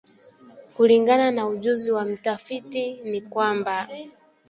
Kulingana na ujuzi wa mtafiti ni kwamba